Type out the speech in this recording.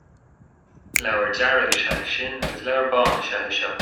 Leabhar dearg is ea é sin, agus leabhar bán is ea é seo